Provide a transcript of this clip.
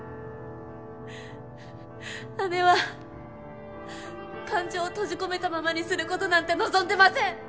姉は感情を閉じこめたままにすることなんて望んでません！